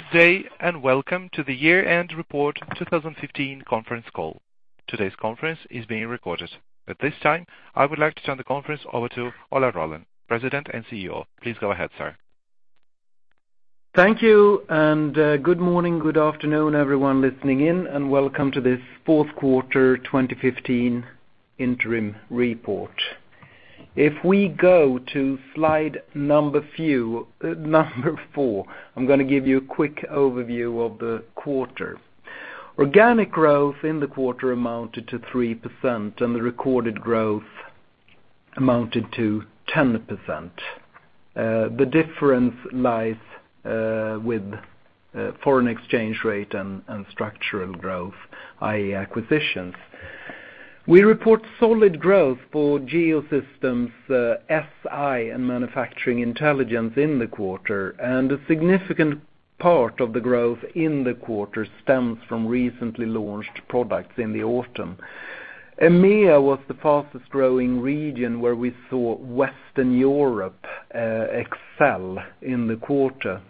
Good day, and welcome to the year-end report 2015 conference call. Today's conference is being recorded. At this time, I would like to turn the conference over to Ola Rollén, President and CEO. Please go ahead, sir. Thank you, good morning, good afternoon, everyone listening in, and welcome to this fourth quarter 2015 interim report. If we go to slide four, I'm going to give you a quick overview of the quarter. Organic growth in the quarter amounted to 3%, and the recorded growth amounted to 10%. The difference lies with foreign exchange rate and structural growth, i.e. acquisitions. We report solid growth for Geosystems, SG&I, and Manufacturing Intelligence in the quarter, and a significant part of the growth in the quarter stems from recently launched products in the autumn. EMEA was the fastest growing region where we saw Western Europe excel in the quarter.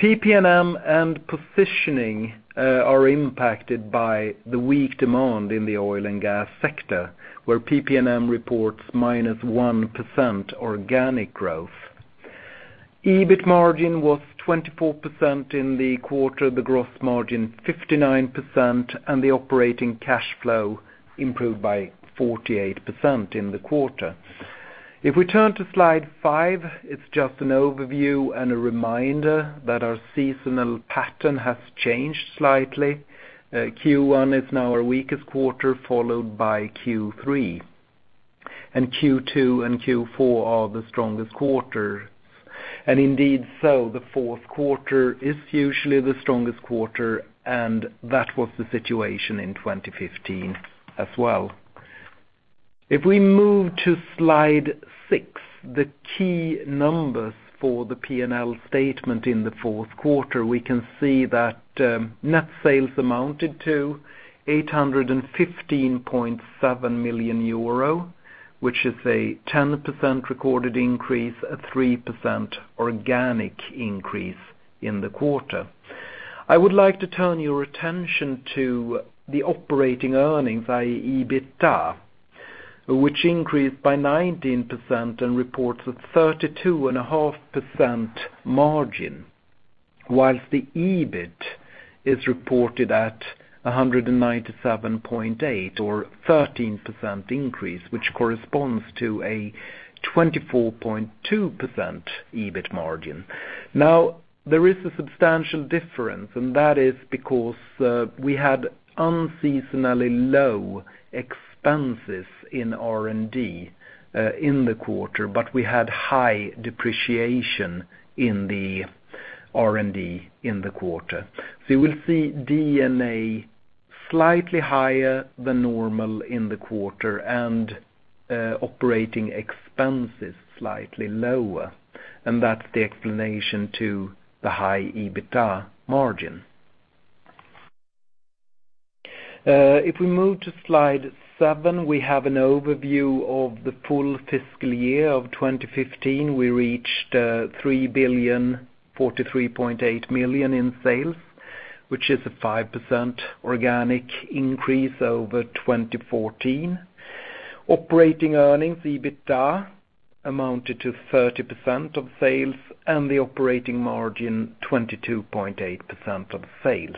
PP&M and positioning are impacted by the weak demand in the oil and gas sector, where PP&M reports -1% organic growth. EBIT margin was 24% in the quarter, the gross margin 59%, and the operating cash flow improved by 48% in the quarter. If we turn to slide five, it's just an overview and a reminder that our seasonal pattern has changed slightly. Q1 is now our weakest quarter, followed by Q3, Q2 and Q4 are the strongest quarters. Indeed so, the fourth quarter is usually the strongest quarter, and that was the situation in 2015 as well. If we move to slide six, the key numbers for the P&L statement in the fourth quarter, we can see that net sales amounted to 815.7 million euro, which is a 10% recorded increase and 3% organic increase in the quarter. I would like to turn your attention to the operating earnings, i.e. EBITDA, which increased by 19% and reports a 32.5% margin, whilst the EBIT is reported at 197.8 or 13% increase, which corresponds to a 24.2% EBIT margin. There is a substantial difference, that is because we had unseasonally low expenses in R&D in the quarter, but we had high depreciation in the R&D in the quarter. You will see D&A slightly higher than normal in the quarter and operating expenses slightly lower, and that's the explanation to the high EBITDA margin. If we move to slide seven, we have an overview of the full fiscal year of 2015. We reached 3,043.8 million in sales, which is a 5% organic increase over 2014. Operating earnings, EBITDA, amounted to 30% of sales and the operating margin 22.8% of sales.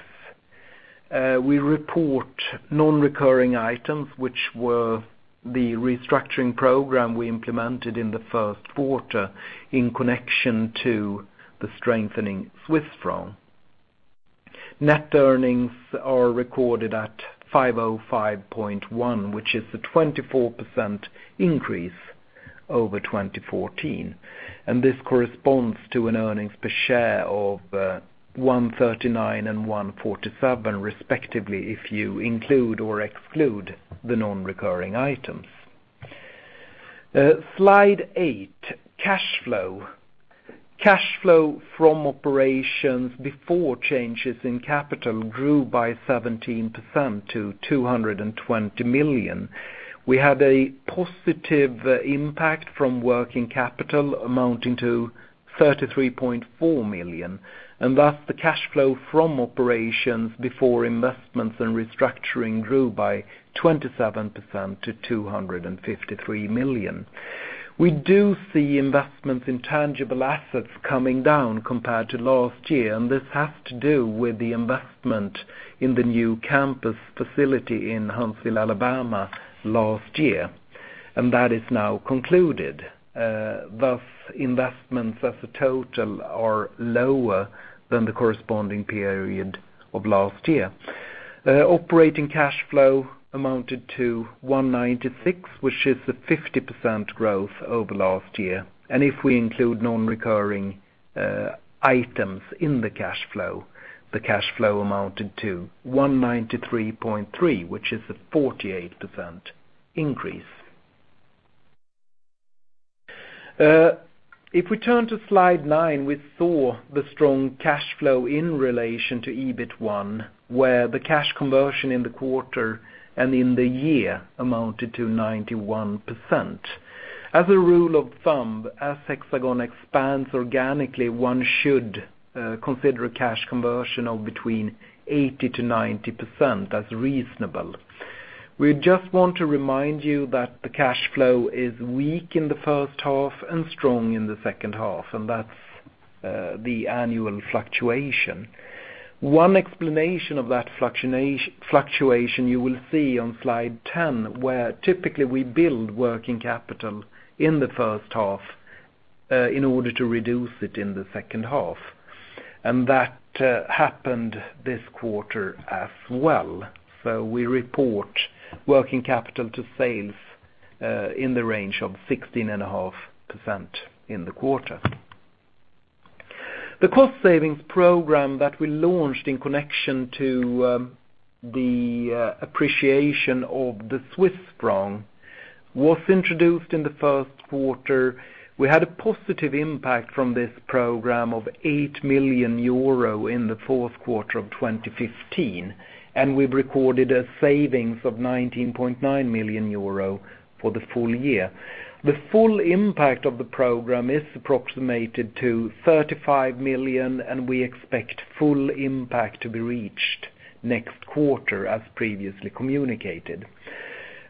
We report non-recurring items, which were the restructuring program we implemented in the first quarter in connection to the strengthening Swiss franc. Net earnings are recorded at 505.1, which is a 24% increase over 2014. This corresponds to an earnings per share of 139 and 147 respectively, if you include or exclude the non-recurring items. Slide eight, cash flow. Cash flow from operations before changes in capital grew by 17% to 220 million. We had a positive impact from working capital amounting to 33.4 million, thus the cash flow from operations before investments and restructuring grew by 27% to 253 million. We do see investments in tangible assets coming down compared to last year, and this has to do with the investment in the new campus facility in Huntsville, Alabama last year, and that is now concluded. Thus, investments as a total are lower than the corresponding period of last year. Operating cash flow amounted to 196, which is a 50% growth over last year. If we include non-recurring items in the cash flow, the cash flow amounted to 193.3, which is a 48% increase. If we turn to slide nine, we saw the strong cash flow in relation to EBIT1, where the cash conversion in the quarter and in the year amounted to 91%. As a rule of thumb, as Hexagon expands organically, one should consider cash conversion of between 80%-90% as reasonable. We just want to remind you that the cash flow is weak in the first half and strong in the second half, and that's the annual fluctuation. One explanation of that fluctuation you will see on slide 10, where typically we build working capital in the first half in order to reduce it in the second half. That happened this quarter as well. We report working capital to sales in the range of 16.5% in the quarter. The cost savings program that we launched in connection to the appreciation of the Swiss franc was introduced in the first quarter. We had a positive impact from this program of 8 million euro in the fourth quarter of 2015, and we've recorded a savings of 19.9 million euro for the full year. The full impact of the program is approximated to 35 million, and we expect full impact to be reached next quarter as previously communicated.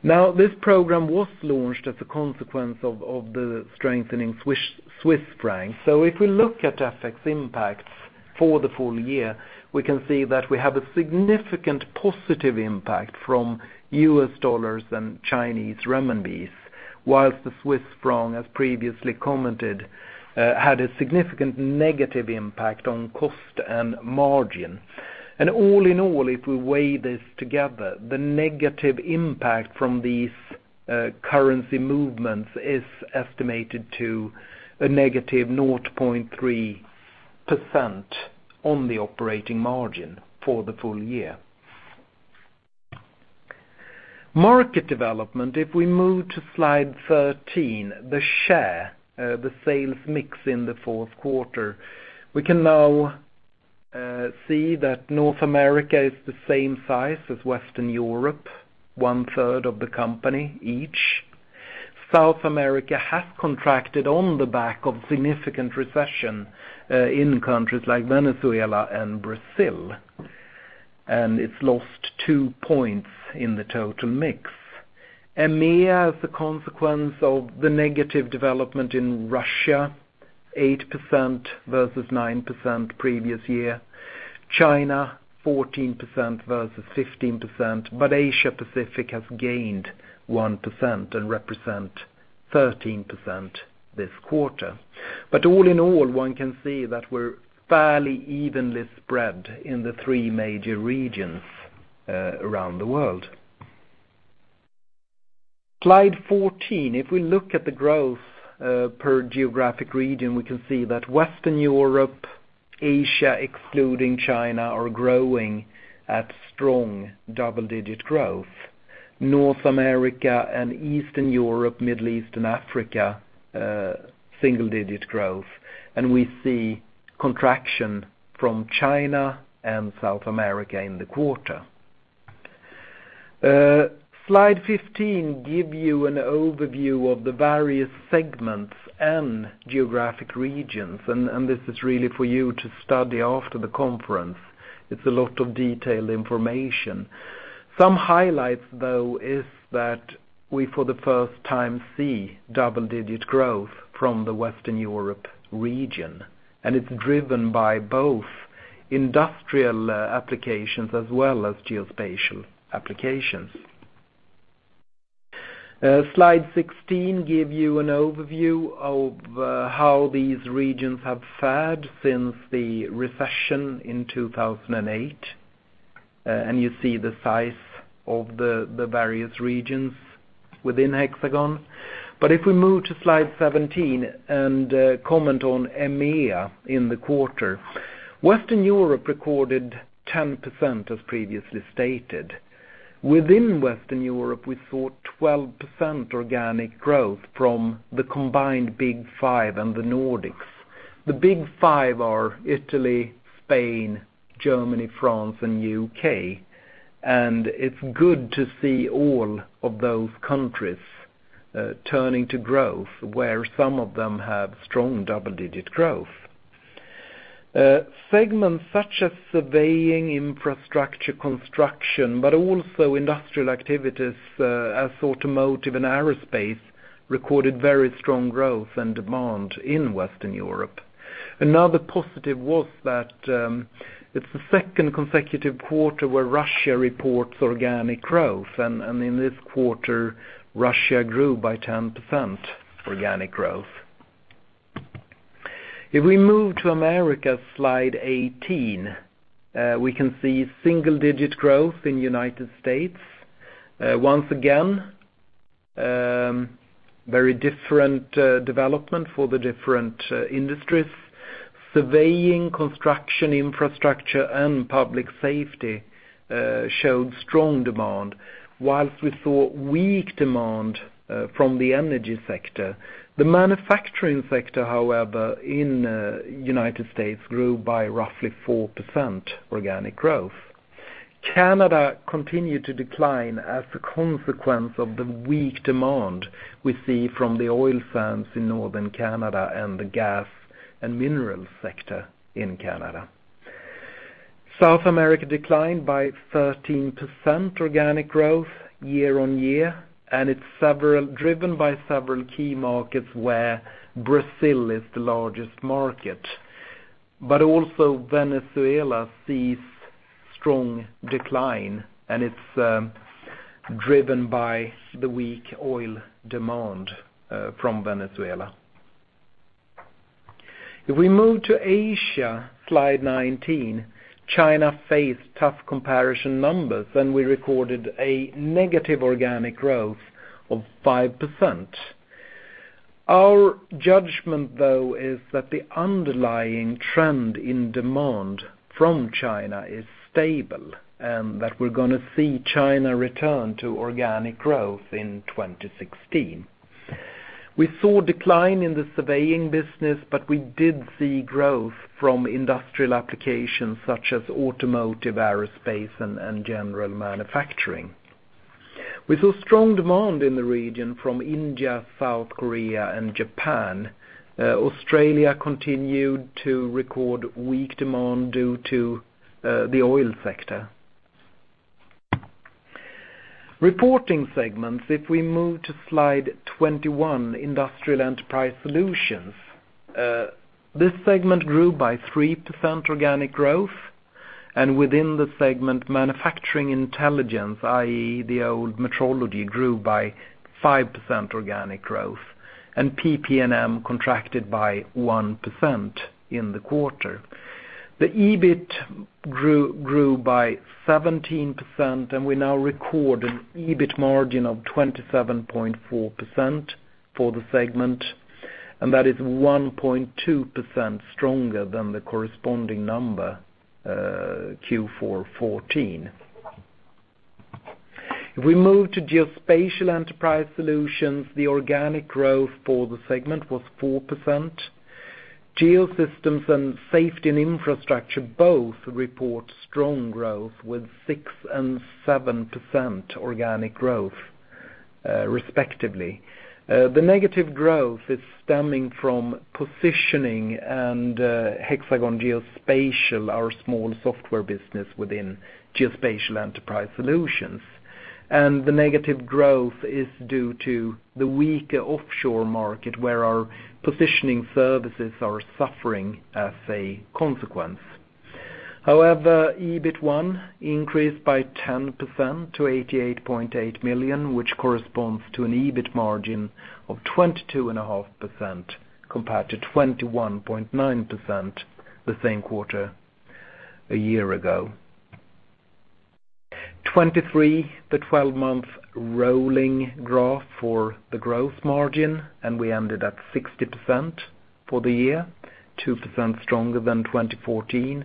This program was launched as a consequence of the strengthening Swiss franc. If we look at FX impacts for the full year, we can see that we have a significant positive impact from US dollars and Chinese renminbis, whilst the Swiss franc, as previously commented, had a significant negative impact on cost and margin. All in all, if we weigh this together, the negative impact from these currency movements is estimated to a negative 0.3% on the operating margin for the full year. Market development. If we move to slide 13, the share, the sales mix in the fourth quarter. We can now see that North America is the same size as Western Europe, one third of the company each. South America has contracted on the back of significant recession in countries like Venezuela and Brazil, and it's lost two points in the total mix. EMEA, as a consequence of the negative development in Russia, 8% versus 9% previous year. China, 14% versus 15%, Asia Pacific has gained 1% and represent 13% this quarter. All in all, one can see that we're fairly evenly spread in the three major regions around the world. Slide 14. If we look at the growth per geographic region, we can see that Western Europe, Asia, excluding China, are growing at strong double-digit growth. North America and Eastern Europe, Middle East and Africa, single digit growth. We see contraction from China and South America in the quarter. Slide 15 give you an overview of the various segments and geographic regions, and this is really for you to study after the conference. It's a lot of detailed information. Some highlights, though, is that we, for the first time, see double-digit growth from the Western Europe region, and it's driven by both industrial applications as well as geospatial applications. Slide 16 give you an overview of how these regions have fared since the recession in 2008, and you see the size of the various regions within Hexagon. If we move to slide 17 and comment on EMEA in the quarter. Western Europe recorded 10%, as previously stated. Within Western Europe, we saw 12% organic growth from the combined Big Five and the Nordics. The Big Five are Italy, Spain, Germany, France, and U.K., and it's good to see all of those countries turning to growth, where some of them have strong double-digit growth. Segments such as surveying, infrastructure, construction, but also industrial activities as automotive and aerospace, recorded very strong growth and demand in Western Europe. Another positive was that it's the second consecutive quarter where Russia reports organic growth. In this quarter, Russia grew by 10% organic growth. If we move to Americas, slide 18, we can see single-digit growth in U.S. Once again, very different development for the different industries. Surveying, construction, infrastructure, and public safety showed strong demand, whilst we saw weak demand from the energy sector. The manufacturing sector, however, in U.S. grew by roughly 4% organic growth. Canada continued to decline as a consequence of the weak demand we see from the oil sands in Northern Canada and the gas and mineral sector in Canada. South America declined by 13% organic growth year-on-year, and it's driven by several key markets where Brazil is the largest market. Also Venezuela sees strong decline, and it's driven by the weak oil demand from Venezuela. If we move to Asia, slide 19, China faced tough comparison numbers, and we recorded a negative organic growth of 5%. Our judgment, though, is that the underlying trend in demand from China is stable, and that we're going to see China return to organic growth in 2016. We saw a decline in the surveying business, but we did see growth from industrial applications such as automotive, aerospace, and general manufacturing. We saw strong demand in the region from India, South Korea, and Japan. Australia continued to record weak demand due to the oil sector. Reporting segments. If we move to slide 21, Industrial Enterprise Solutions. This segment grew by 3% organic growth, and within the segment, Manufacturing Intelligence, i.e., the old metrology, grew by 5% organic growth, and PP&M contracted by 1% in the quarter. The EBIT grew by 17%, and we now record an EBIT margin of 27.4% for the segment, and that is 1.2% stronger than the corresponding number, Q4 2014. If we move to Geospatial Enterprise Solutions, the organic growth for the segment was 4%. Geosystems and Hexagon Safety & Infrastructure both report strong growth with 6% and 7% organic growth, respectively. The negative growth is stemming from positioning and Hexagon Geospatial, our small software business within Geospatial Enterprise Solutions. The negative growth is due to the weaker offshore market where our positioning services are suffering as a consequence. However, EBIT1 increased by 10% to 88.8 million, which corresponds to an EBIT margin of 22.5% compared to 21.9% the same quarter a year ago. 23, the 12-month rolling graph for the growth margin, and we ended at 60% for the year, 2% stronger than 2014.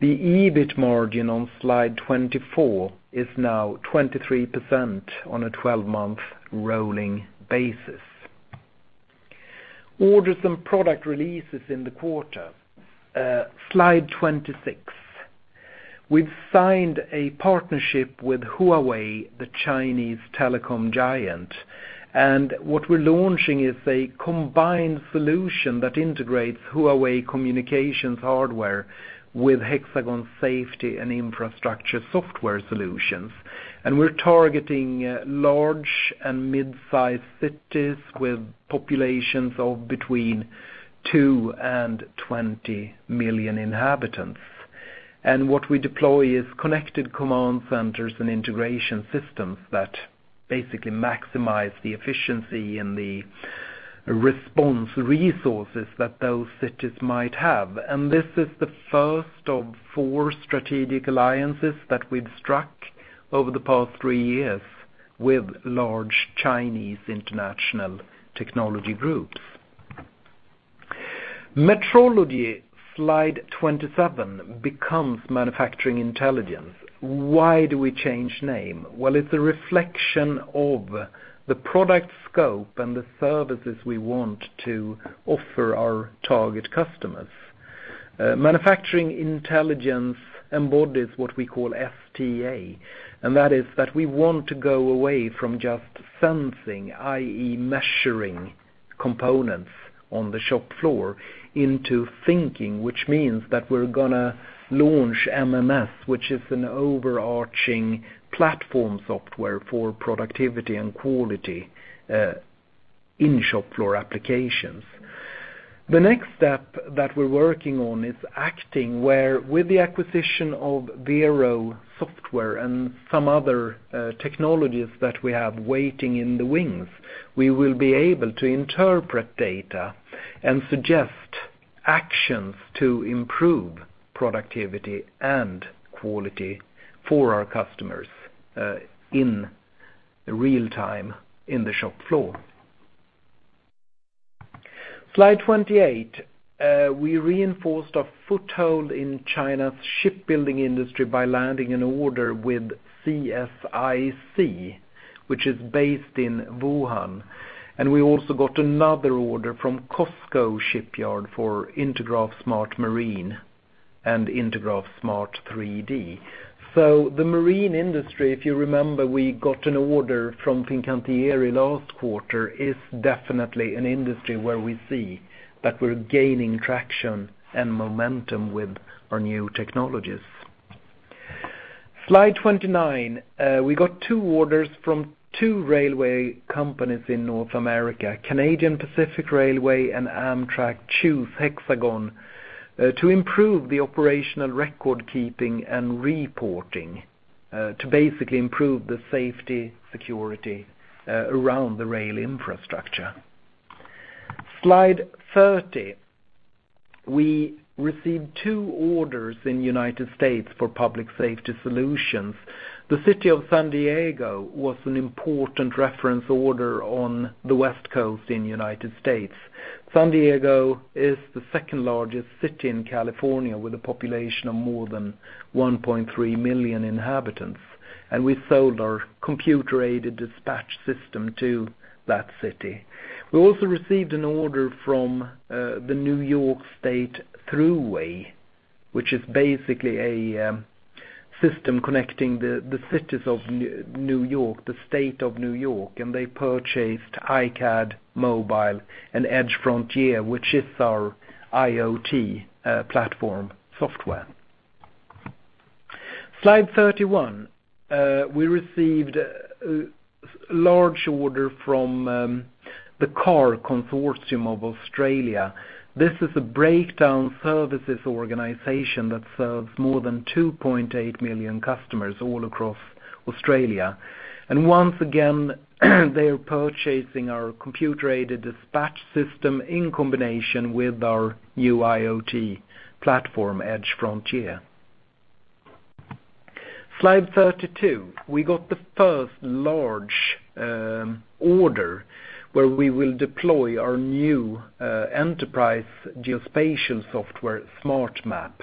The EBIT margin on slide 24 is now 23% on a 12-month rolling basis. Orders and product releases in the quarter, slide 26. We've signed a partnership with Huawei, the Chinese telecom giant. What we're launching is a combined solution that integrates Huawei communications hardware with Hexagon Safety & Infrastructure software solutions. We're targeting large and mid-size cities with populations of between 2 and 20 million inhabitants. What we deploy is connected command centers and integration systems that basically maximize the efficiency and the response resources that those cities might have. This is the first of four strategic alliances that we've struck over the past three years with large Chinese international technology groups. Metrology, slide 27, becomes Manufacturing Intelligence. Why do we change name? Well, it's a reflection of the product scope and the services we want to offer our target customers. Manufacturing Intelligence embodies what we call FTA, and that is that we want to go away from just sensing, i.e., measuring components on the shop floor into thinking, which means that we're going to launch MMS, which is an overarching platform software for productivity and quality in shop floor applications. The next step that we're working on is acting, where with the acquisition of Vero Software and some other technologies that we have waiting in the wings, we will be able to interpret data and suggest actions to improve productivity and quality for our customers in real time in the shop floor. Slide 28. We reinforced our foothold in China's shipbuilding industry by landing an order with CSIC, which is based in Wuhan. We also got another order from COSCO Shipyard for Intergraph SmartMarine. And Intergraph Smart 3D. The marine industry, if you remember, we got an order from Fincantieri last quarter, is definitely an industry where we see that we're gaining traction and momentum with our new technologies. Slide 29. We got two orders from two railway companies in North America, Canadian Pacific Railway and Amtrak, choose Hexagon to improve the operational record keeping and reporting to basically improve the safety security around the rail infrastructure. Slide 30. We received two orders in the U.S. for public safety solutions. The city of San Diego was an important reference order on the West Coast in the U.S. San Diego is the second largest city in California, with a population of more than 1.3 million inhabitants. We sold our computer-aided dispatch system to that city. We also received an order from the New York State Thruway, which is basically a system connecting the cities of New York, the state of New York. They purchased I/CAD Mobile and EdgeFrontier, which is our IoT platform software. Slide 31. We received a large order from the Car Consortium of Australia. This is a breakdown services organization that serves more than 2.8 million customers all across Australia. Once again, they are purchasing our computer-aided dispatch system in combination with our new IoT platform, EdgeFrontier. Slide 32. We got the first large order where we will deploy our new enterprise geospatial software, Smart M.App.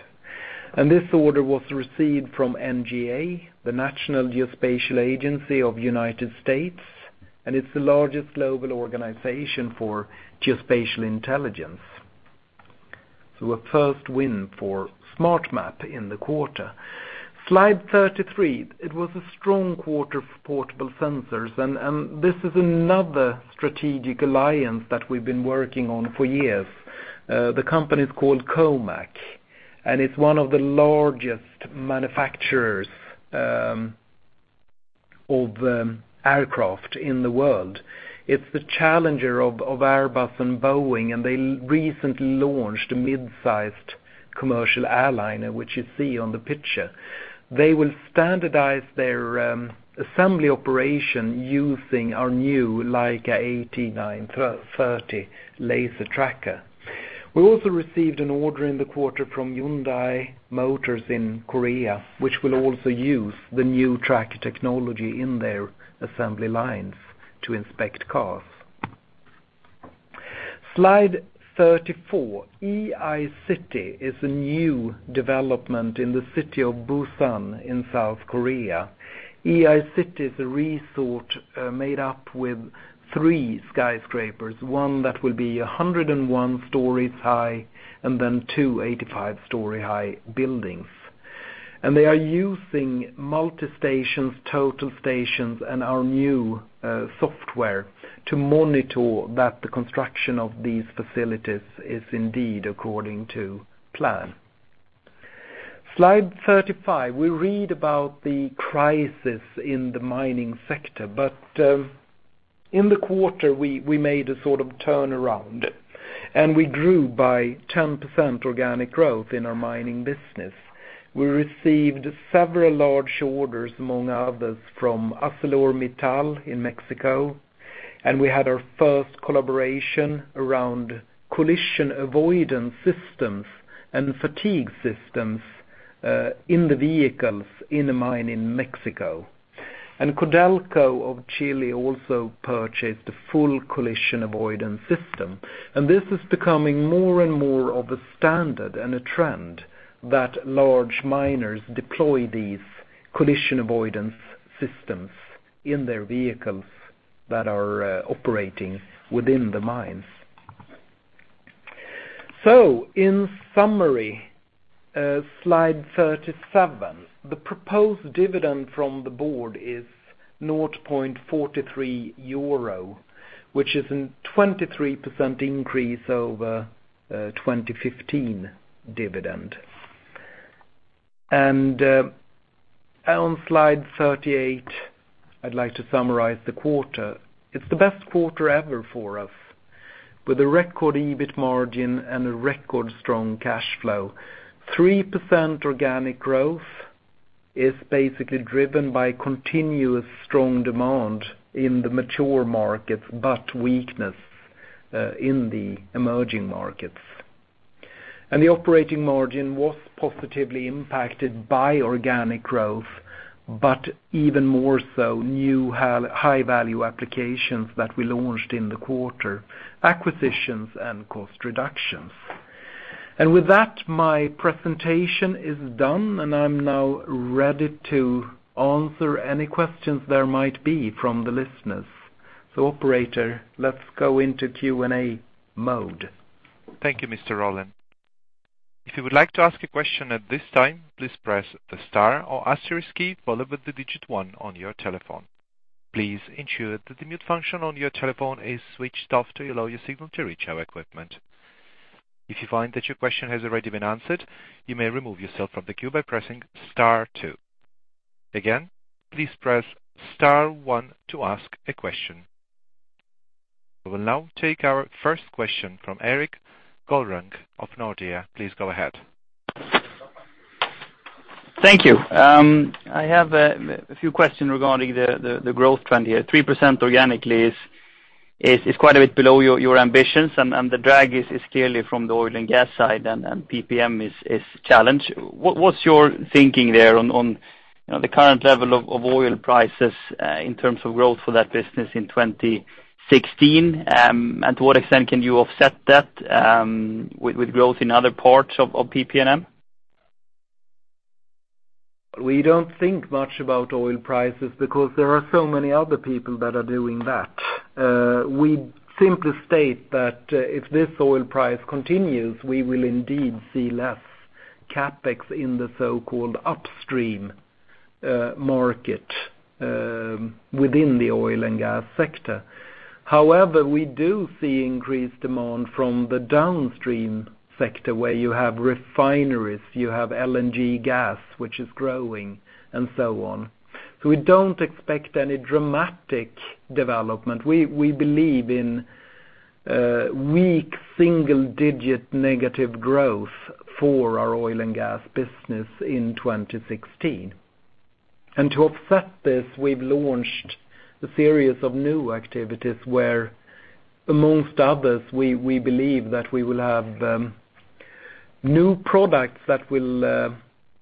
This order was received from NGA, the National Geospatial-Intelligence Agency of U.S., and it is the largest global organization for geospatial intelligence. A first win for Smart M.App in the quarter. Slide 33. It was a strong quarter for portable sensors. This is another strategic alliance that we have been working on for years. The company is called COMAC. It is one of the largest manufacturers of aircraft in the world. It is the challenger of Airbus and Boeing. They recently launched a mid-sized commercial airliner, which you see on the picture. They will standardize their assembly operation using our new Leica AT930 laser tracker. We also received an order in the quarter from Hyundai Motors in Korea, which will also use the new tracker technology in their assembly lines to inspect cars. Slide 34. EI-City is a new development in the city of Busan in South Korea. EI-City is a resort made up with three skyscrapers, one that will be 101 stories high and then two 85-story high buildings. They are using MultiStations, total stations, and our new software to monitor that the construction of these facilities is indeed according to plan. Slide 35. We read about the crisis in the mining sector. In the quarter, we made a sort of turnaround. We grew by 10% organic growth in our mining business. We received several large orders, among others, from ArcelorMittal in Mexico. We had our first collaboration around collision avoidance systems and fatigue systems in the vehicles in a mine in Mexico. Codelco of Chile also purchased a full collision avoidance system. This is becoming more and more of a standard and a trend that large miners deploy these collision avoidance systems in their vehicles that are operating within the mines. In summary, slide 37. The proposed dividend from the board is 0.43 euro, which is a 23% increase over 2015 dividend. On slide 38, I would like to summarize the quarter. It is the best quarter ever for us, with a record EBIT margin and a record strong cash flow. 3% organic growth is basically driven by continuous strong demand in the mature markets, but weakness in the emerging markets. The operating margin was positively impacted by organic growth, but even more so, new high-value applications that we launched in the quarter, acquisitions and cost reductions. With that, my presentation is done. I am now ready to answer any questions there might be from the listeners. Operator, let us go into Q&A mode. Thank you, Mr. Rollén. If you would like to ask a question at this time, please press the star or asterisk key followed with the digit one on your telephone. Please ensure that the mute function on your telephone is switched off to allow your signal to reach our equipment. If you find that your question has already been answered, you may remove yourself from the queue by pressing star two. Again, please press star one to ask a question. We will now take our first question from Erik Golrang of Nordea. Please go ahead. Thank you. I have a few questions regarding the growth trend here. 3% organically is quite a bit below your ambitions, the drag is clearly from the oil and gas side, and PPM is challenged. What's your thinking there on the current level of oil prices in terms of growth for that business in 2016? To what extent can you offset that with growth in other parts of PP&M? We don't think much about oil prices because there are so many other people that are doing that. We simply state that if this oil price continues, we will indeed see less CapEx in the so-called upstream market within the oil and gas sector. However, we do see increased demand from the downstream sector, where you have refineries, you have LNG gas, which is growing, and so on. We don't expect any dramatic development. We believe in weak single-digit negative growth for our oil and gas business in 2016. To offset this, we've launched a series of new activities where, amongst others, we believe that we will have new products that will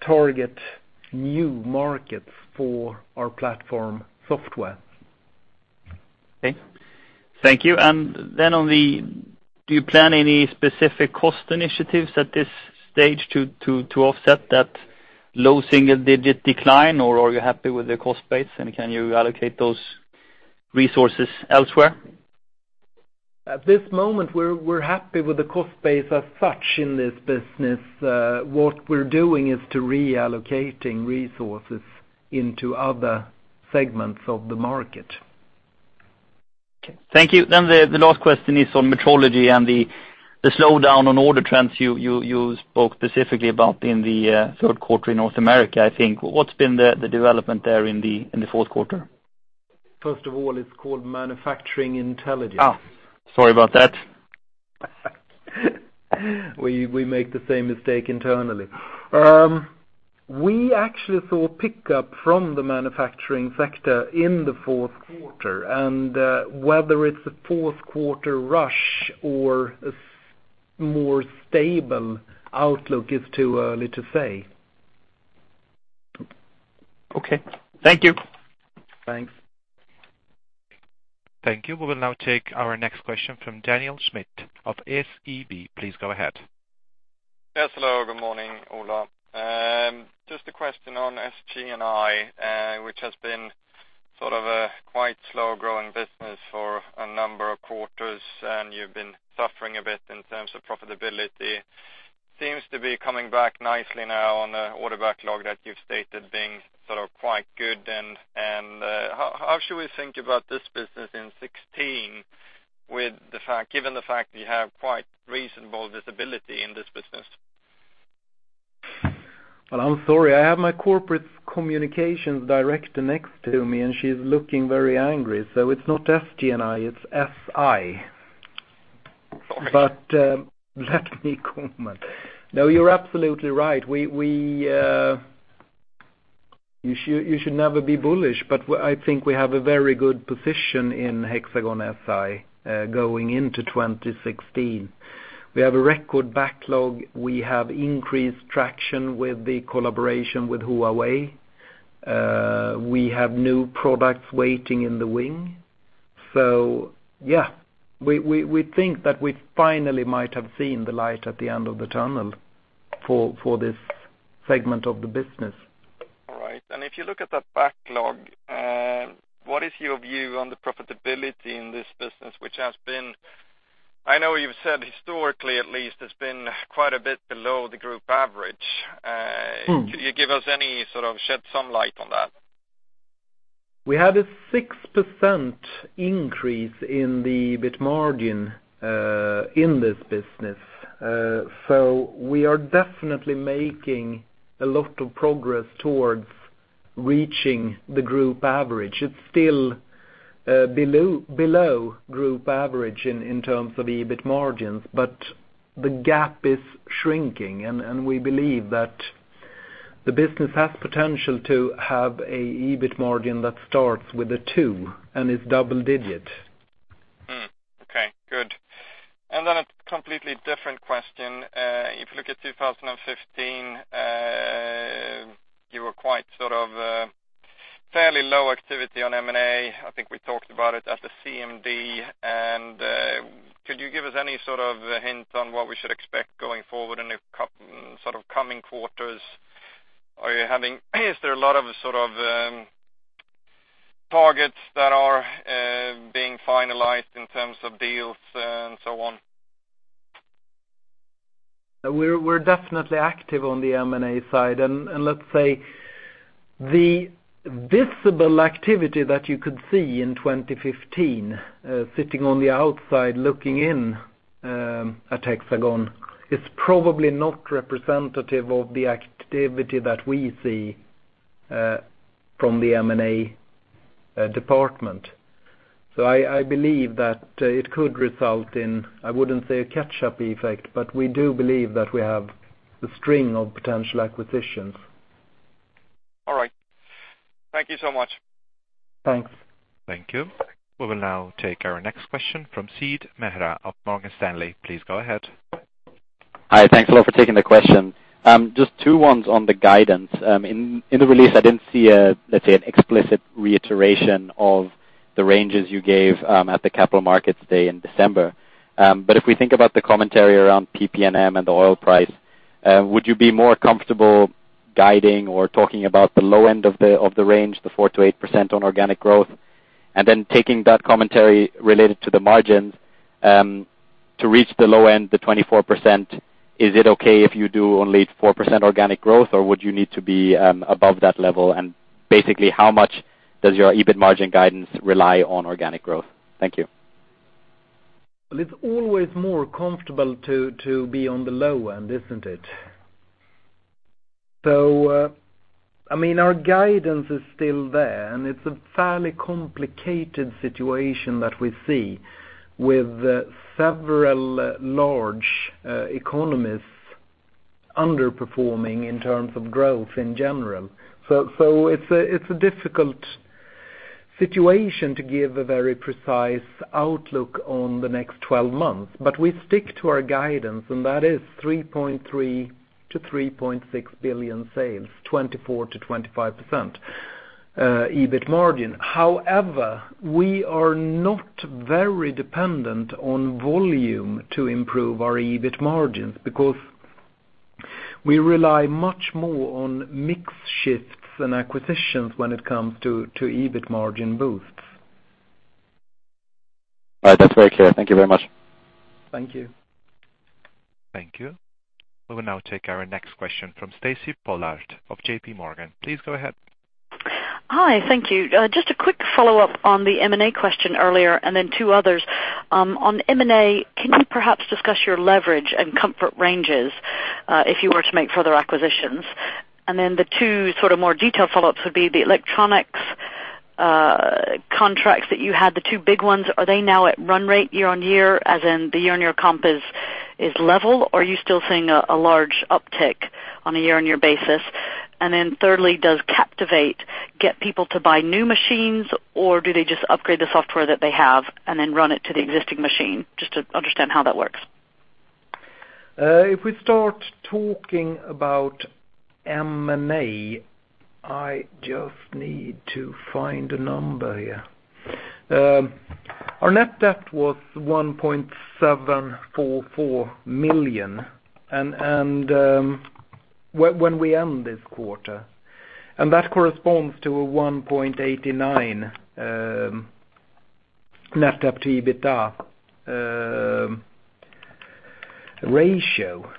target new markets for our platform software. Okay. Thank you. Do you plan any specific cost initiatives at this stage to offset that low single-digit decline, or are you happy with the cost base, and can you allocate those resources elsewhere? At this moment, we're happy with the cost base as such in this business. What we're doing is to reallocating resources into other segments of the market. Okay. Thank you. The last question is on metrology and the slowdown on order trends you spoke specifically about in the third quarter in North America, I think. What's been the development there in the fourth quarter? First of all, it's called Manufacturing Intelligence. Oh, sorry about that. We make the same mistake internally. We actually saw a pickup from the manufacturing sector in the fourth quarter, whether it's a fourth quarter rush or a more stable outlook is too early to say. Okay. Thank you. Thanks. Thank you. We will now take our next question from Daniel Smith of SEB. Please go ahead. Yes, hello. Good morning, Ola. Just a question on SG&I, which has been sort of a quite slow-growing business for a number of quarters, you've been suffering a bit in terms of profitability. Seems to be coming back nicely now on the order backlog that you've stated being quite good. How should we think about this business in 2016, given the fact that you have quite reasonable visibility in this business? I'm sorry. I have my corporate communications director next to me, and she's looking very angry. It's not SG&I, it's SI. Sorry. Let me comment. No, you're absolutely right. You should never be bullish, I think we have a very good position in Hexagon SI going into 2016. We have a record backlog. We have increased traction with the collaboration with Huawei. We have new products waiting in the wing. Yeah, we think that we finally might have seen the light at the end of the tunnel for this segment of the business. All right. If you look at that backlog, what is your view on the profitability in this business, I know you've said historically at least, it's been quite a bit below the group average. Shed some light on that? We had a 6% increase in the EBIT margin in this business. We are definitely making a lot of progress towards reaching the group average. It's still below group average in terms of EBIT margins, but the gap is shrinking, and we believe that the business has potential to have a EBIT margin that starts with a two and is double digit. Okay, good. A completely different question. If you look at 2015, you were quite sort of fairly low activity on M&A. I think we talked about it at the CMD. Could you give us any sort of hint on what we should expect going forward in the sort of coming quarters? Is there a lot of sort of targets that are being finalized in terms of deals and so on? We're definitely active on the M&A side, and let's say the visible activity that you could see in 2015, sitting on the outside looking in at Hexagon is probably not representative of the activity that we see from the M&A department. I believe that it could result in, I wouldn't say a catch-up effect, but we do believe that we have the string of potential acquisitions. All right. Thank you so much. Thanks. Thank you. We will now take our next question from Sid Mehra of Morgan Stanley. Please go ahead. Hi. Thanks a lot for taking the question. Just two ones on the guidance. In the release, I didn't see, let's say, an explicit reiteration of the ranges you gave at the capital markets day in December. If we think about the commentary around PP&M and the oil price, would you be more comfortable guiding or talking about the low end of the range, the 4%-8% on organic growth? Then taking that commentary related to the margins to reach the low end, the 24%, is it okay if you do only 4% organic growth, or would you need to be above that level? Basically, how much does your EBIT margin guidance rely on organic growth? Thank you. Well, it's always more comfortable to be on the low end, isn't it? Our guidance is still there, and it's a fairly complicated situation that we see with several large economies underperforming in terms of growth in general. It's a difficult situation to give a very precise outlook on the next 12 months. We stick to our guidance, and that is 3.3 billion-3.6 billion sales, 24%-25% EBIT margin. However, we are not very dependent on volume to improve our EBIT margins, because we rely much more on mix shifts and acquisitions when it comes to EBIT margin boosts. All right. That's very clear. Thank you very much. Thank you. Thank you. We will now take our next question from Stacy Pollard of J.P. Morgan. Please go ahead. Hi, thank you. Just a quick follow-up on the M&A question earlier, then two others. On M&A, can you perhaps discuss your leverage and comfort ranges if you were to make further acquisitions? Thirdly, the two sort of more detailed follow-ups would be the electronics contracts that you had, the two big ones, are they now at run rate year-over-year as in the year-over-year comp is level, or are you still seeing a large uptick on a year-over-year basis? Thirdly, does Captivate get people to buy new machines, or do they just upgrade the software that they have and then run it to the existing machine? Just to understand how that works. If we start talking about M&A, I just need to find a number here. Our net debt was 1,744 million. When we end this quarter, that corresponds to a 1.89 net debt to EBITDA ratio.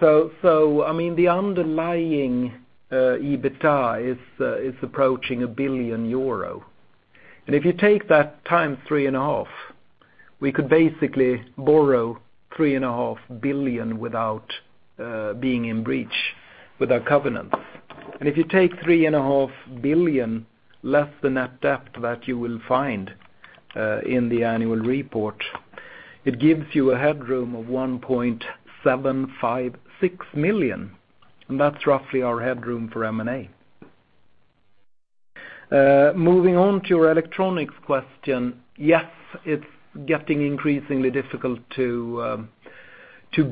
The underlying EBITDA is approaching 1 billion euro. If you take that times three and a half, we could basically borrow three and a half billion without being in breach with our covenants. If you take three and a half billion less the net debt that you will find in the annual report, it gives you a headroom of 1,756 million. That's roughly our headroom for M&A. Moving on to your electronics question, yes, it's getting increasingly difficult to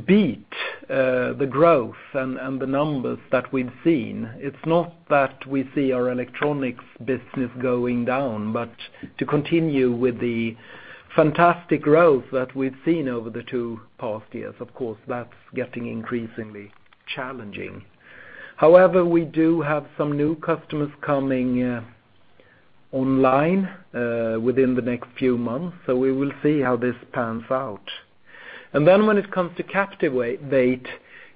beat the growth and the numbers that we've seen. It's not that we see our electronics business going down, but to continue with the fantastic growth that we've seen over the two past years, of course, that's getting increasingly challenging. However, we do have some new customers coming online within the next few months, so we will see how this pans out. When it comes to Captivate,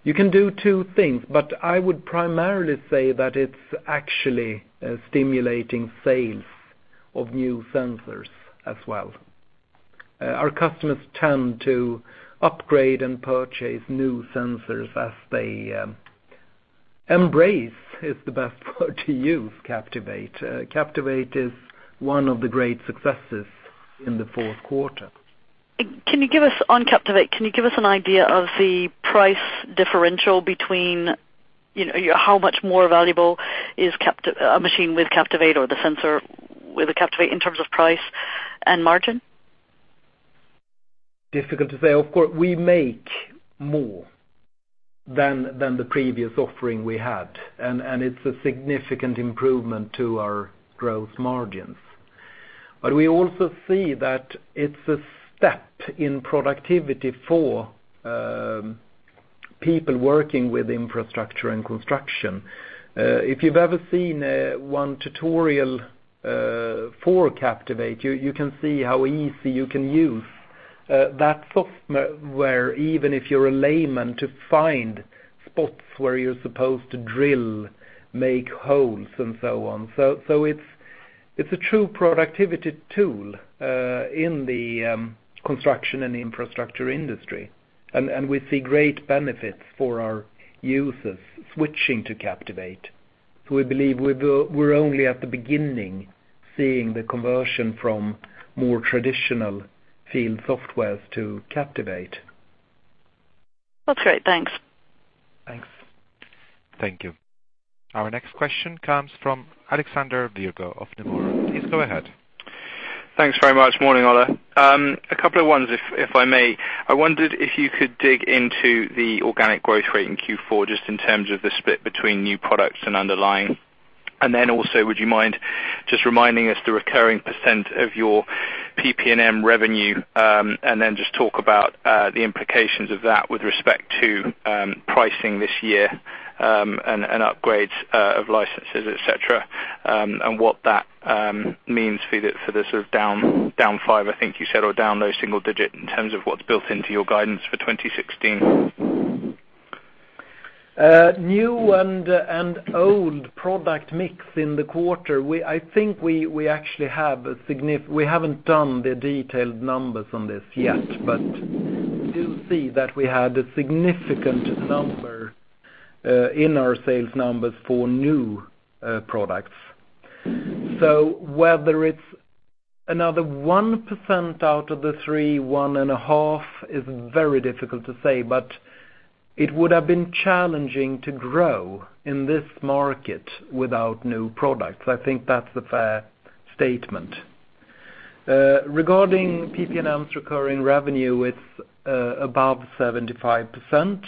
you can do two things, but I would primarily say that it's actually stimulating sales of new sensors as well. Our customers tend to upgrade and purchase new sensors as they embrace, is the best word to use, Captivate. Captivate is one of the great successes in the fourth quarter. On Captivate, can you give us an idea of the price differential between how much more valuable is a machine with Captivate or the sensor with a Captivate in terms of price and margin? Difficult to say. Of course, we make more than the previous offering we had, and it's a significant improvement to our gross margins. We also see that it's a step in productivity for people working with infrastructure and construction. If you've ever seen one tutorial for Captivate, you can see how easy you can use that software, even if you're a layman, to find spots where you're supposed to drill, make holes, and so on. It's a true productivity tool in the construction and infrastructure industry, and we see great benefits for our users switching to Captivate. We believe we're only at the beginning of seeing the conversion from more traditional field software to Captivate. That's great. Thanks. Thanks. Thank you. Our next question comes from Alexander Virgo of Nomura. Please go ahead. Thanks very much. Morning, Ola. A couple of ones if I may. I wondered if you could dig into the organic growth rate in Q4, just in terms of the split between new products and underlying. Would you mind just reminding us the recurring % of your PP&M revenue, and then just talk about the implications of that with respect to pricing this year, and upgrades of licenses, et cetera, and what that means for the sort of down 5, I think you said, or down low single digit in terms of what's built into your guidance for 2016. New and old product mix in the quarter. We haven't done the detailed numbers on this yet, but we do see that we had a significant number in our sales numbers for new products. Whether it's another 1% out of the three, 1.5% is very difficult to say, but it would have been challenging to grow in this market without new products. I think that's a fair statement. Regarding PP&M's recurring revenue, it's above 75%,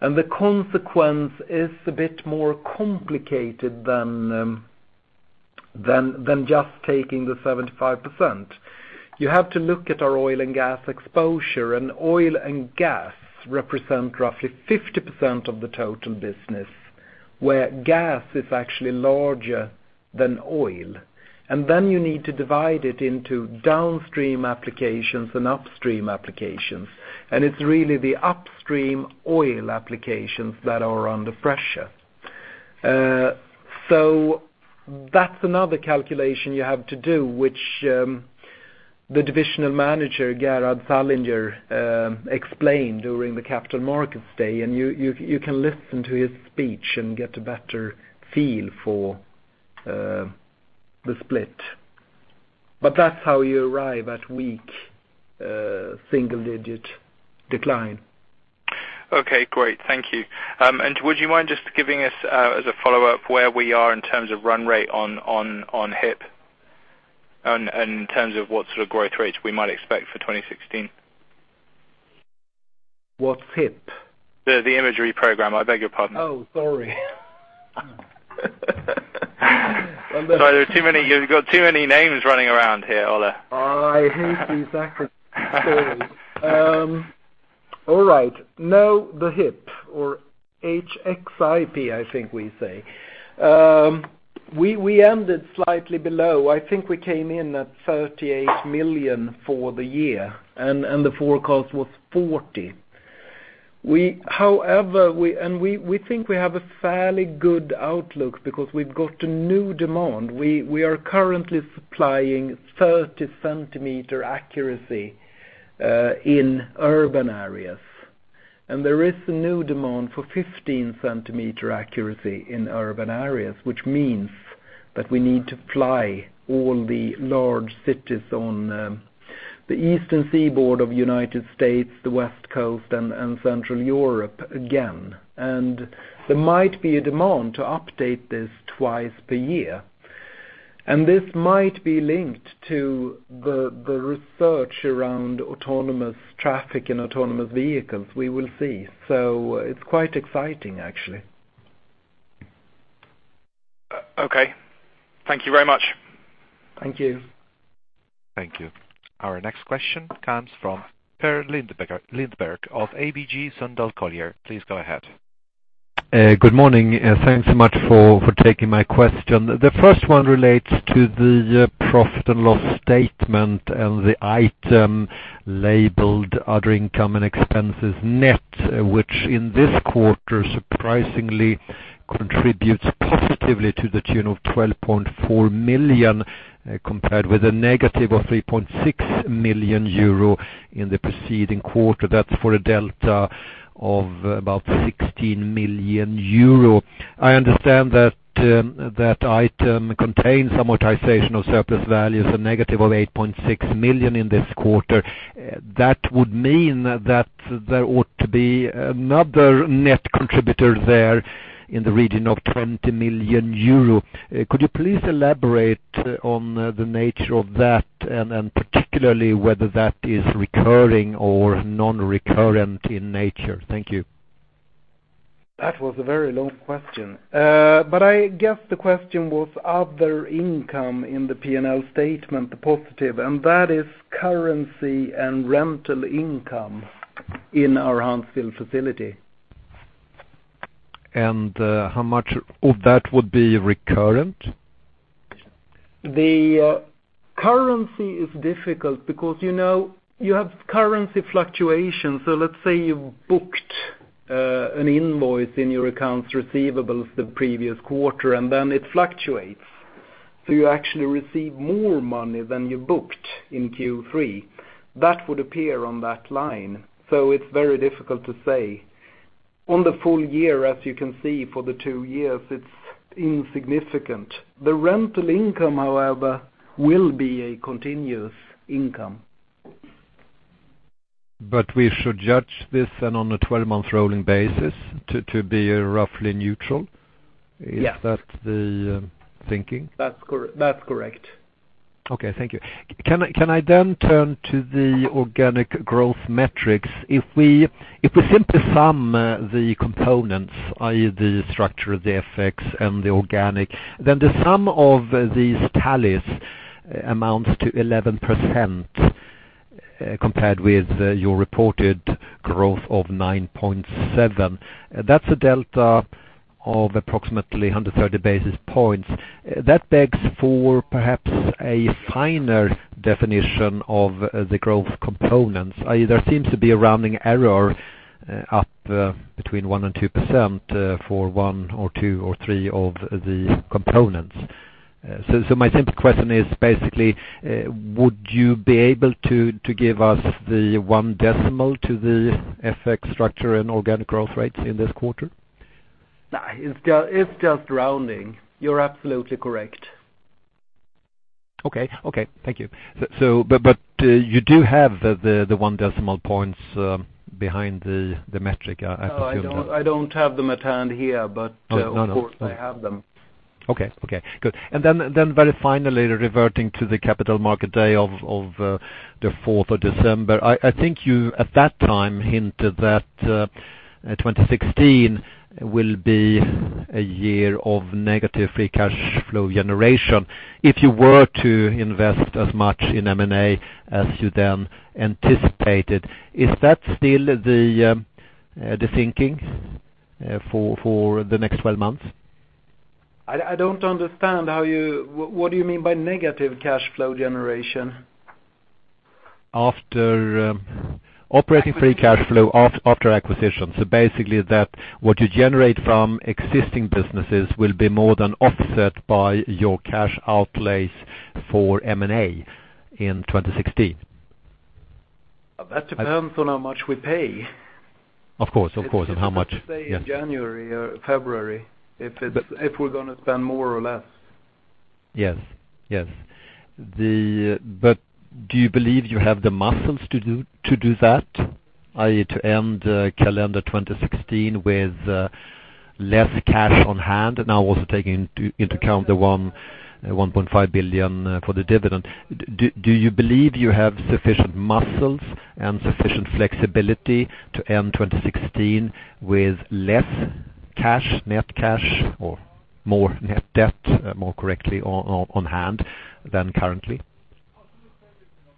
and the consequence is a bit more complicated than just taking the 75%. You have to look at our oil and gas exposure, and oil and gas represent roughly 50% of the total business, where gas is actually larger than oil. You need to divide it into downstream applications and upstream applications, and it's really the upstream oil applications that are under pressure. That's another calculation you have to do, which the divisional manager, Gerhard Sallinger, explained during the Capital Markets Day, and you can listen to his speech and get a better feel for the split. That's how you arrive at weak single-digit decline. Okay, great. Thank you. Would you mind just giving us, as a follow-up, where we are in terms of run rate on HxIP and in terms of what sort of growth rates we might expect for 2016? What's HxIP? The imagery program. I beg your pardon. Oh, sorry. Sorry. You've got too many names running around here, Ola Rollén. I hate these acronyms. Sorry. All right. Now, the HxIP, I think we say. We ended slightly below. I think we came in at 38 million for the year, and the forecast was EUR 40. We think we have a fairly good outlook because we've got a new demand. We are currently supplying 30-centimeter accuracy in urban areas, and there is a new demand for 15-centimeter accuracy in urban areas, which means that we need to fly all the large cities on the eastern seaboard of U.S., the West Coast, and Central Europe again, and there might be a demand to update this twice per year. This might be linked to the research around autonomous traffic and autonomous vehicles. We will see. It's quite exciting, actually. Okay. Thank you very much. Thank you. Thank you. Our next question comes from Per Lindberg of ABG Sundal Collier. Please go ahead. Good morning. Thanks so much for taking my question. The first one relates to the profit and loss statement and the item labeled other income and expenses net, which in this quarter surprisingly contributes positively to the tune of 12.4 million, compared with a negative of 3.6 million euro in the preceding quarter. That's for a delta of about 16 million euro. I understand that that item contains amortization of surplus values, a negative of 8.6 million in this quarter. That would mean that there ought to be another net contributor there in the region of 20 million euro. Could you please elaborate on the nature of that, and particularly whether that is recurring or non-recurrent in nature? Thank you. That was a very long question. I guess the question was other income in the P&L statement, the positive, and that is currency and rental income in our Huntsville facility. How much of that would be recurrent? Let's say you booked an invoice in your accounts receivables the previous quarter, and then it fluctuates. You actually receive more money than you booked in Q3. That would appear on that line. It's very difficult to say. On the full year, as you can see for the two years, it's insignificant. The rental income, however, will be a continuous income. We should judge this then on a 12-month rolling basis to be roughly neutral? Yes. Is that the thinking? That's correct. Okay, thank you. Can I turn to the organic growth metrics? If we simply sum the components, i.e., the structure, the effects, and the organic, the sum of these tallies amounts to 11% compared with your reported growth of 9.7. That's a delta of approximately 130 basis points. That begs for perhaps a finer definition of the growth components. There seems to be a rounding error up between 1% and 2% for one or two or three of the components. My simple question is basically, would you be able to give us the one decimal to the FX structure and organic growth rates in this quarter? No, it's just rounding. You're absolutely correct. Okay. Thank you. You do have the one decimal points behind the metric, I presume? I don't have them at hand here, of course I have them. Very finally, reverting to the Capital Market Day of the 4th of December. I think you, at that time, hinted that 2016 will be a year of negative free cash flow generation if you were to invest as much in M&A as you then anticipated. Is that still the thinking for the next 12 months? I don't understand, what do you mean by negative cash flow generation? Operating free cash flow after acquisitions. Basically that what you generate from existing businesses will be more than offset by your cash outlays for M&A in 2016. That depends on how much we pay. Of course. How much? It's hard to say in January or February, if we're going to spend more or less. Yes. Do you believe you have the muscles to do that, i.e., to end calendar 2016 with less cash on hand? Now also taking into account the 1.5 billion for the dividend. Do you believe you have sufficient muscles and sufficient flexibility to end 2016 with less cash, net cash, or more net debt, more correctly, on hand than currently?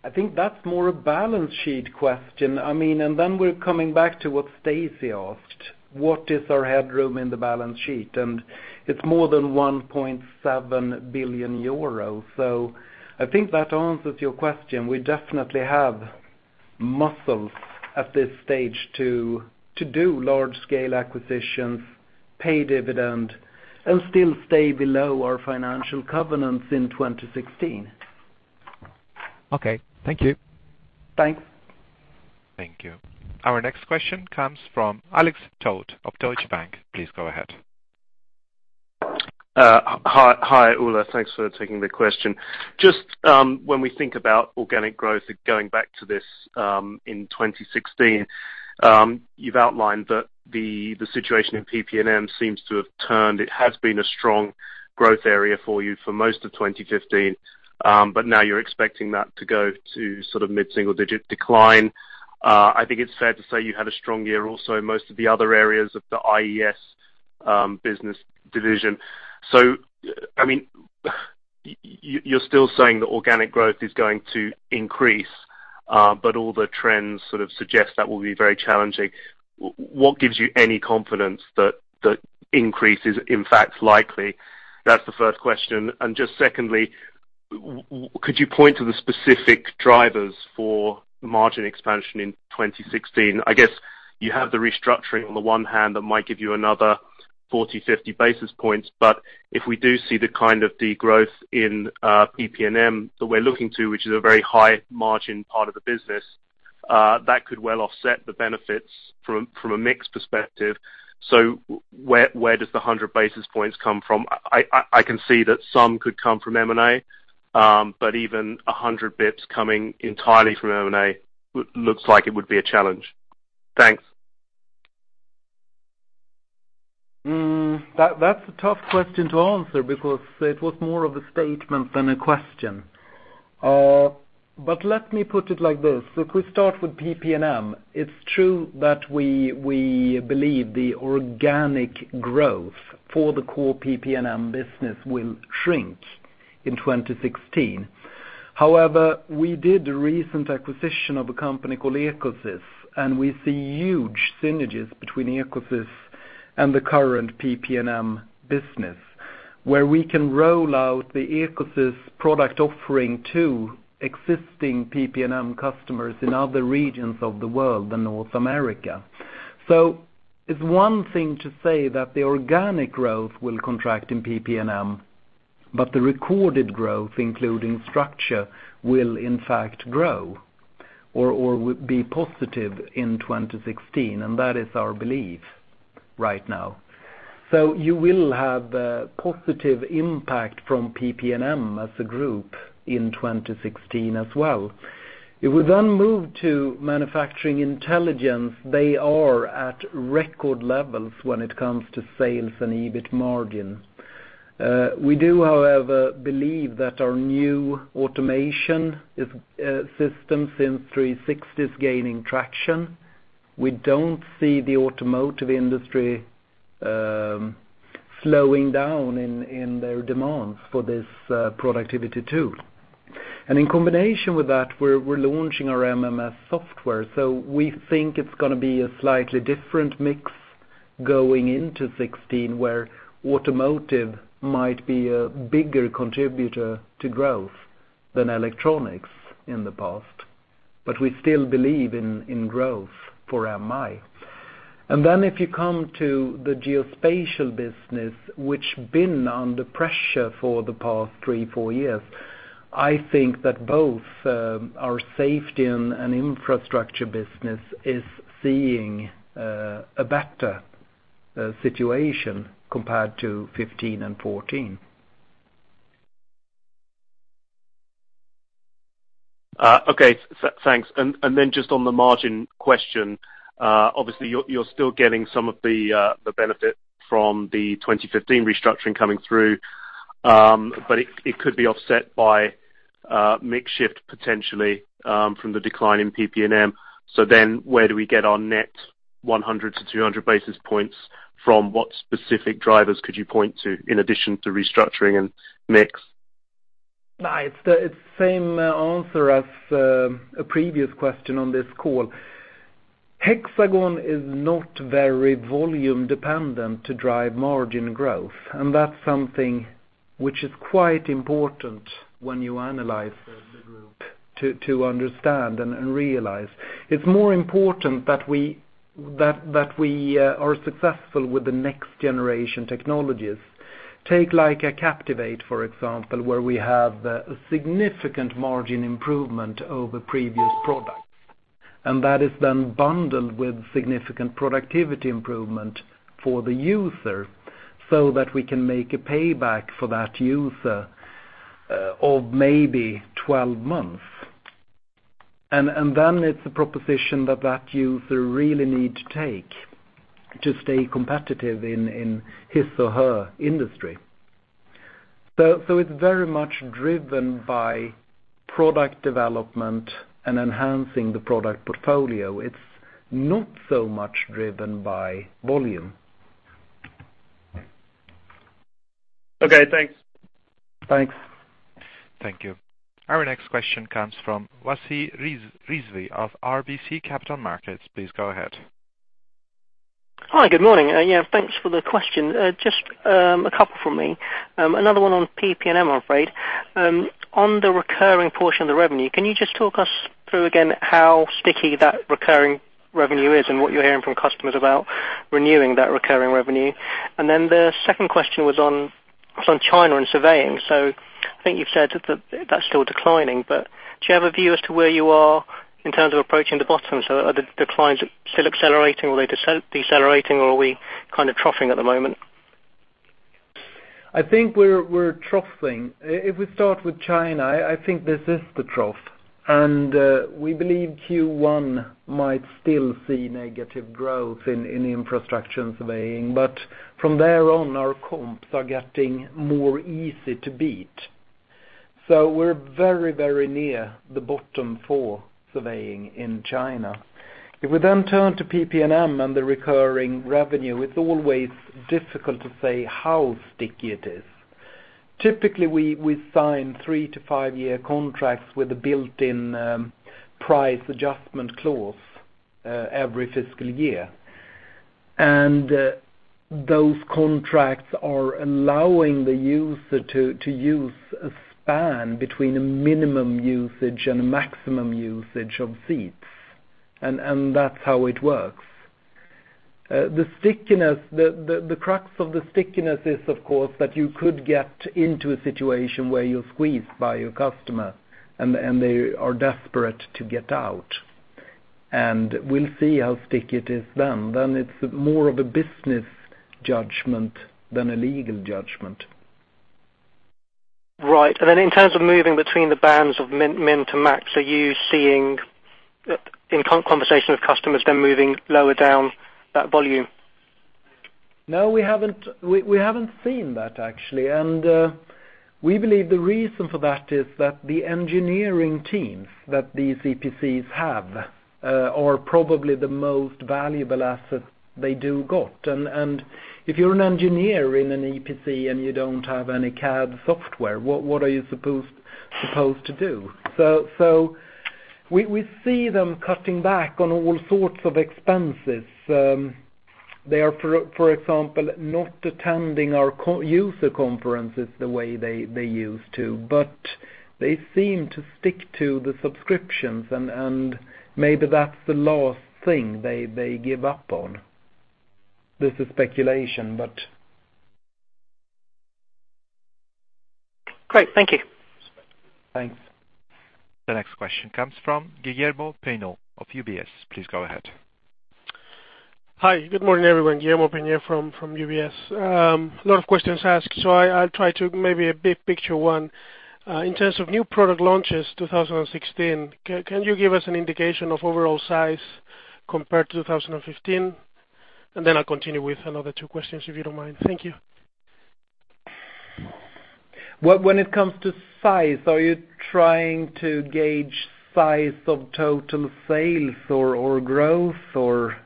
I think that's more a balance sheet question. Then we're coming back to what Stacy asked. What is our headroom in the balance sheet? It's more than 1.7 billion euros. I think that answers your question. We definitely have muscles at this stage to do large-scale acquisitions, pay dividend, and still stay below our financial covenants in 2016. Okay, thank you. Thanks. Thank you. Our next question comes from Alex Tout of Deutsche Bank. Please go ahead. Hi, Ola. Thanks for taking the question. Just when we think about organic growth, going back to this in 2016, you've outlined that the situation in PP&M seems to have turned. It has been a strong growth area for you for most of 2015, but now you're expecting that to go to mid-single-digit decline. I think it's fair to say you had a strong year also in most of the other areas of the IES business division. You're still saying that organic growth is going to increase, but all the trends suggest that will be very challenging. What gives you any confidence that increase is in fact likely? That's the first question. Just secondly, could you point to the specific drivers for margin expansion in 2016? I guess you have the restructuring on the one hand that might give you another 40, 50 basis points. If we do see the kind of degrowth in PP&M that we're looking to, which is a very high margin part of the business, that could well offset the benefits from a mix perspective. Where does the 100 basis points come from? I can see that some could come from M&A, even 100 basis points coming entirely from M&A looks like it would be a challenge. Thanks. That's a tough question to answer because it was more of a statement than a question. Let me put it like this. If we start with PP&M, it's true that we believe the organic growth for the core PP&M business will shrink in 2016. However, we did a recent acquisition of a company called EcoSys, and we see huge synergies between EcoSys and the current PP&M business, where we can roll out the EcoSys product offering to existing PP&M customers in other regions of the world than North America. It's one thing to say that the organic growth will contract in PP&M, but the recorded growth, including structure, will in fact grow or will be positive in 2016, and that is our belief right now. You will have a positive impact from PP&M as a group in 2016 as well. If we move to Manufacturing Intelligence, they are at record levels when it comes to sales and EBIT margin. We do, however, believe that our new automation system, SIMS 360, is gaining traction. We don't see the automotive industry slowing down in their demands for this productivity tool. In combination with that, we're launching our MMS software. We think it's going to be a slightly different mix going into 2016, where automotive might be a bigger contributor to growth than electronics in the past. We still believe in growth for MI. If you come to the geospatial business, which been under pressure for the past three, four years, I think that both our safety and infrastructure business is seeing a better situation compared to 2015 and 2014. Okay, thanks. Just on the margin question, obviously you're still getting some of the benefit from the 2015 restructuring coming through, but it could be offset by mix shift potentially, from the decline in PP&M. Where do we get our net 100-200 basis points from? What specific drivers could you point to in addition to restructuring and mix? It's same answer as a previous question on this call. Hexagon is not very volume dependent to drive margin growth, and that's something which is quite important when you analyze the group to understand and realize. It's more important that we are successful with the next generation technologies. Take like a Captivate, for example, where we have a significant margin improvement over previous products. That is bundled with significant productivity improvement for the user so that we can make a payback for that user of maybe 12 months. It's a proposition that user really need to take to stay competitive in his or her industry. It's very much driven by product development and enhancing the product portfolio. It's not so much driven by volume. Okay, thanks. Thanks. Thank you. Our next question comes from Wasi Rizvi of RBC Capital Markets. Please go ahead. Hi, good morning. Thanks for the question. Just a couple from me. Another one on PP&M, I'm afraid. On the recurring portion of the revenue, can you just talk us through again how sticky that recurring revenue is and what you're hearing from customers about renewing that recurring revenue? The second question was on China and surveying. I think you've said that's still declining, but do you have a view as to where you are in terms of approaching the bottom? Are the declines still accelerating or are they decelerating or are we kind of troughing at the moment? I think we're troughing. If we start with China, I think this is the trough. We believe Q1 might still see negative growth in infrastructure and surveying. From there on, our comps are getting more easy to beat. We're very near the bottom for surveying in China. If we turn to PP&M and the recurring revenue, it's always difficult to say how sticky it is. Typically, we sign three- to five-year contracts with a built-in price adjustment clause every fiscal year. Those contracts are allowing the user to use a span between a minimum usage and a maximum usage of seats, and that's how it works. The crux of the stickiness is, of course, that you could get into a situation where you're squeezed by your customer and they are desperate to get out, and we'll see how sticky it is then. It's more of a business judgment than a legal judgment. Right. In terms of moving between the bands of min to max, are you seeing in conversation with customers, they're moving lower down that volume? No, we haven't seen that, actually. We believe the reason for that is that the engineering teams that these EPCs have are probably the most valuable asset they do got. If you're an engineer in an EPC and you don't have any CAD software, what are you supposed to do? We see them cutting back on all sorts of expenses. They are, for example, not attending our user conferences the way they used to, but they seem to stick to the subscriptions, and maybe that's the last thing they give up on. This is speculation. Great. Thank you. Thanks. The next question comes from Guillermo Peigneux of UBS. Please go ahead. Hi. Good morning, everyone. Guillermo Peigneux from UBS. A lot of questions asked, so I'll try to maybe a big picture one. In terms of new product launches 2016, can you give us an indication of overall size compared to 2015? I'll continue with another two questions, if you don't mind. Thank you. When it comes to size, are you trying to gauge size of total sales or growth or?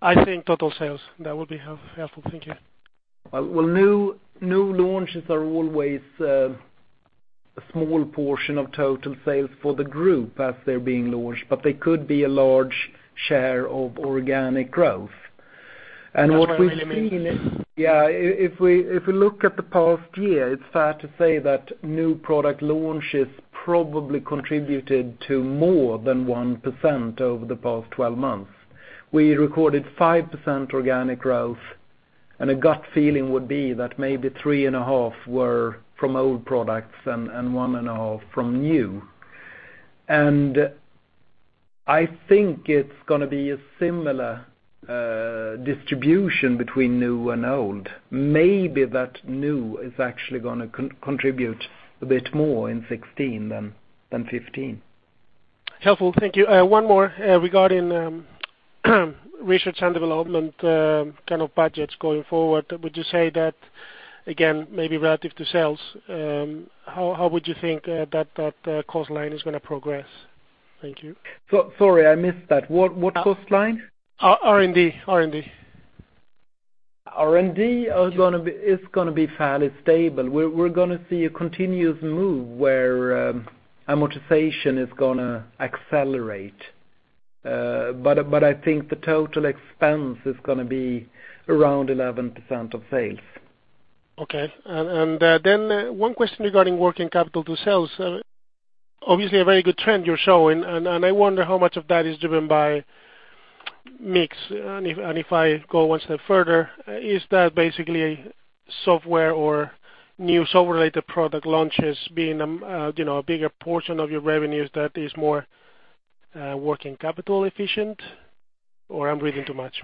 I think total sales, that would be helpful. Thank you. Well, new launches are always a small portion of total sales for the group as they're being launched, but they could be a large share of organic growth. What we've seen. That's what I really mean. Yeah, if we look at the past year, it's fair to say that new product launches probably contributed to more than 1% over the past 12 months. We recorded 5% organic growth, and a gut feeling would be that maybe three and a half were from old products and one and a half from new. I think it's going to be a similar distribution between new and old. Maybe that new is actually going to contribute a bit more in 2016 than 2015. Helpful. Thank you. One more regarding research and development kind of budgets going forward, would you say that, again, maybe relative to sales, how would you think that that cost line is going to progress? Thank you. Sorry, I missed that. What cost line? R&D. R&D is going to be fairly stable. We're going to see a continuous move where amortization is going to accelerate. I think the total expense is going to be around 11% of sales. Okay. One question regarding working capital to sales. Obviously, a very good trend you're showing, and I wonder how much of that is driven by mix. If I go one step further, is that basically software or new software-related product launches being a bigger portion of your revenues that is more working capital efficient? I'm reading too much?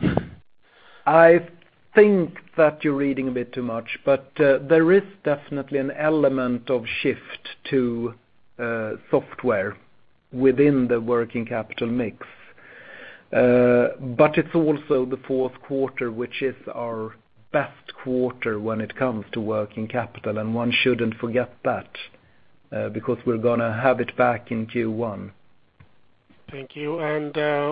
I think that you're reading a bit too much, there is definitely an element of shift to software within the working capital mix. It's also the fourth quarter, which is our best quarter when it comes to working capital, and one shouldn't forget that, because we're going to have it back in Q1. Thank you.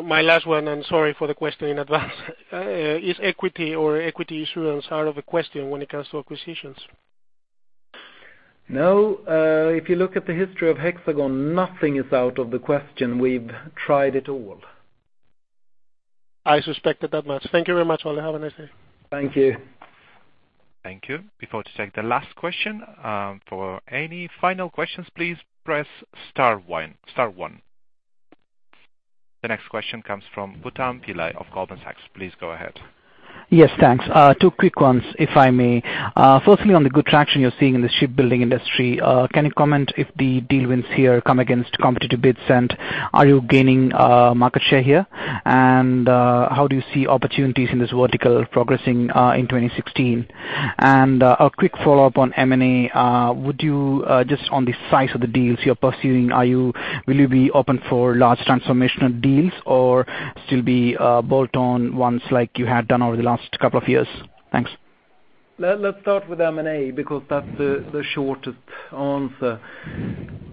My last one, sorry for the question in advance. Is equity or equity issuance out of the question when it comes to acquisitions? No. If you look at the history of Hexagon, nothing is out of the question. We've tried it all. I suspected that much. Thank you very much, Ola. Have a nice day. Thank you. Thank you. Before to take the last question, for any final questions, please press star one. The next question comes from Gautam Pillai of Goldman Sachs. Please go ahead. Yes, thanks. Two quick ones, if I may. Firstly, on the good traction you're seeing in the shipbuilding industry, can you comment if the deal wins here come against competitive bids, are you gaining market share here? How do you see opportunities in this vertical progressing in 2016? A quick follow-up on M&A. Just on the size of the deals you're pursuing, will you be open for large transformational deals or still be bolt-on ones like you had done over the last couple of years? Thanks. Let's start with M&A because that's the shortest answer.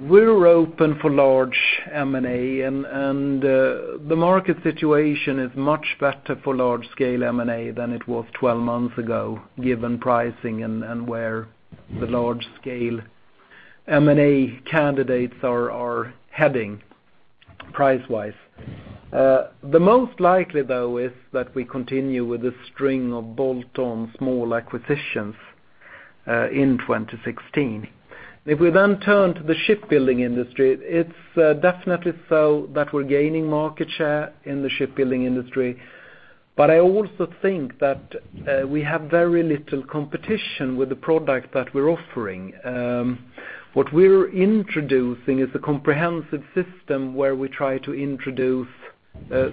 We're open for large M&A, the market situation is much better for large-scale M&A than it was 12 months ago, given pricing and where the large-scale M&A candidates are heading price-wise. The most likely, though, is that we continue with the string of bolt-on small acquisitions in 2016. If we then turn to the shipbuilding industry, it's definitely so that we're gaining market share in the shipbuilding industry. I also think that we have very little competition with the product that we're offering. What we're introducing is a comprehensive system where we try to introduce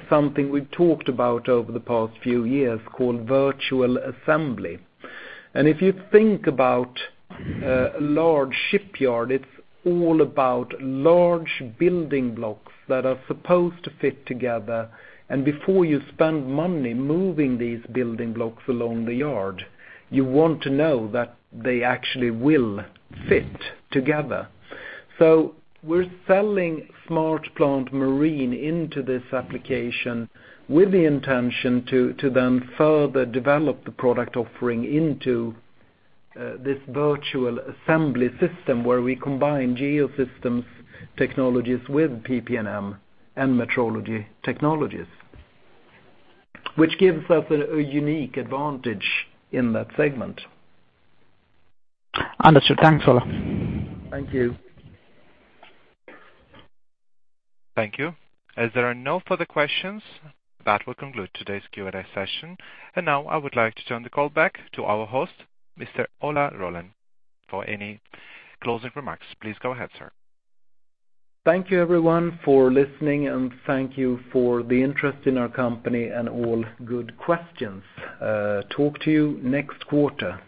something we've talked about over the past few years called virtual assembly. If you think about a large shipyard, it's all about large building blocks that are supposed to fit together. Before you spend money moving these building blocks along the yard, you want to know that they actually will fit together. We're selling SmartPlant Marine into this application with the intention to then further develop the product offering into this virtual assembly system where we combine geo systems technologies with PP&M and metrology technologies, which gives us a unique advantage in that segment. Understood. Thanks, Ola. Thank you. Thank you. As there are no further questions, that will conclude today's Q&A session. Now I would like to turn the call back to our host, Mr. Ola Rollén, for any closing remarks. Please go ahead, sir. Thank you, everyone, for listening, and thank you for the interest in our company and all good questions. Talk to you next quarter.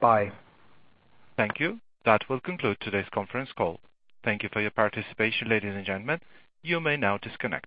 Bye. Thank you. That will conclude today's conference call. Thank you for your participation, ladies and gentlemen. You may now disconnect.